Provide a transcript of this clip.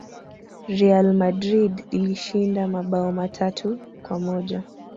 real madrid ilishinda mabao matatu kwa moja